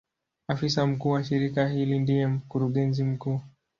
Afisa mkuu wa shirika hili ndiye Mkurugenzi mkuu.